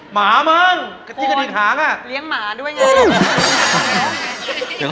หมามั้งกระจิ้กระดิกหางอ่ะเลี้ยงหมาด้วยไง